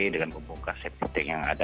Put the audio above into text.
dengan membuka sitt tank yang ada